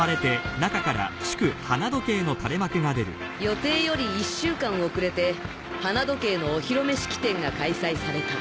予定より１週間遅れて花時計のお披露目式典が開催された